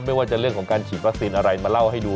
ไม่ว่าจะเรื่องของการฉีดวัคซีนอะไรมาเล่าให้ดู